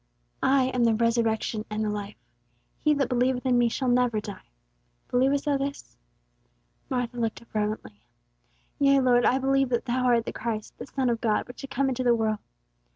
"I am the resurrection and the life. He that believeth in me shall never die. Believest thou this?" Martha looked up reverently. "Yea, Lord, I believe that Thou art the Christ, the Son of God which should come into the world."